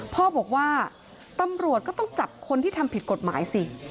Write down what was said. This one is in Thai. พ่อบอกว่าตำรวจก็ต้องจับคนที่ทำผิดกฎหมายสิ